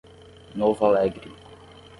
Novo Alegre